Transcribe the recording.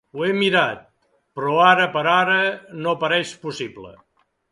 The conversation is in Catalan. Ho hem mirat, però ara per ara no pareix possible.